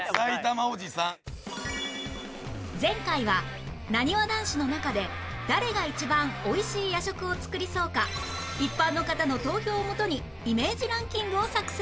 前回はなにわ男子の中で誰が一番おいしい夜食を作りそうか一般の方の投票をもとにイメージランキングを作成